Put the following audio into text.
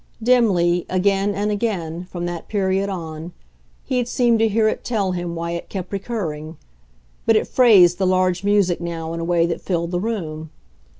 Dimly, again and again, from that period on, he had seemed to hear it tell him why it kept recurring; but it phrased the large music now in a way that filled the room.